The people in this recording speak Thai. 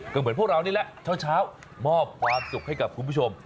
ก็เหมือนพวกเรานี่แหละเช้ามอบความสุขให้กับคุณผู้ชม